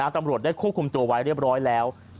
ตำรวจได้ควบคุมตัวไว้เรียบร้อยแล้ว